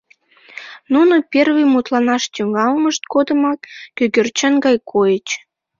Нуно первый мутланаш тӱҥалмышт годымак кӧгӧрчен гай койыч.